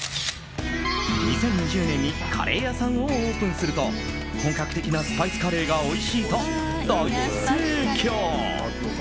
２０２０年にカレー屋さんをオープンすると本格的なスパイスカレーがおいしいと大盛況。